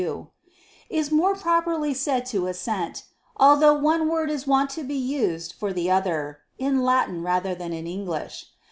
2), is more properly said to assent: although one word is wont to be used for the other [*In Latin rather than in English.